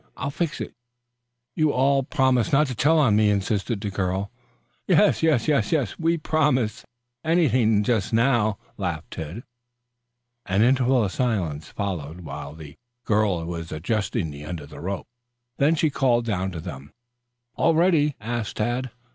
I'll fix it. You all promise not to tell on me?" insisted the girl. "Yes, yes, yes, we promise. We'll promise anything just now," laughed Ned. An interval of silence followed while the girl was adjusting the end of the rope. Then she called down to them: "All ready?" asked Tad.